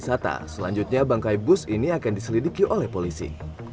wisata selanjutnya bangkai bus ini akan diselidiki oleh polisi